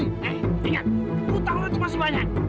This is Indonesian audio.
ingat hutang lu cuma semuanya